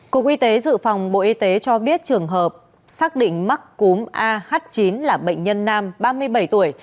cục y tế dự phòng bộ y tế cho biết trường hợp xác định mắc cúm ah chín là bệnh nhân nam ba mươi bảy tuổi